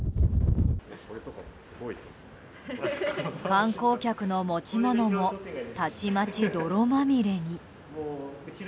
観光客の持ち物もたちまち、泥まみれに。